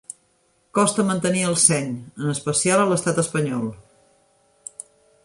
Costa mantenir el seny, en especial a l'Estat espanyol.